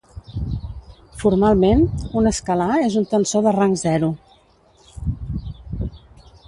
Formalment, un escalar és un tensor de rang zero.